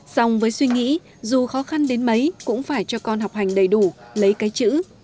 sòng với suy nghĩ dù khó khăn đến mấy cũng phải cho con học hành đầy đủ lấy cái chữ